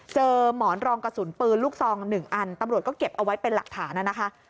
หมอนรองกระสุนปืนลูกซอง๑อันตำรวจก็เก็บเอาไว้เป็นหลักฐานนะคะ